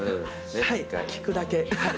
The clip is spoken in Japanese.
はい聞くだけ。